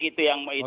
itu yang itu ya